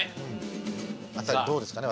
どうですかね？